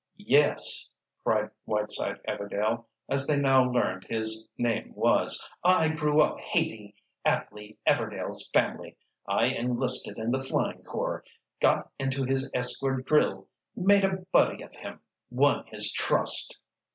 "Yes!" cried Whiteside Everdail—as they now learned his name was—"I grew up hating Atley Everdail's family. I enlisted in the flying corps, got into his esquadrille, made a buddy of him, won his trust!